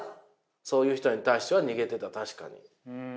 そういう人に対しては逃げてた確かに。